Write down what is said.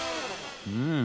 うん。